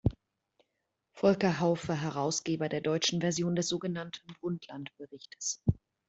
Volker Hauff war Herausgeber der deutschen Version des sogenannten Brundtland-Berichtes.